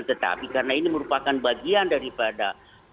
tetapi karena ini merupakan bagian daripada